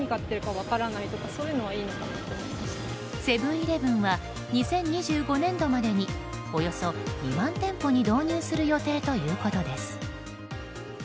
セブン‐イレブンは２０２５年度までにおよそ２万店舗に導入する予定ということです。